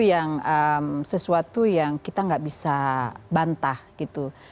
yang sesuatu yang kita nggak bisa bantah gitu